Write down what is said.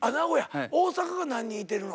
大阪が何人いてるの？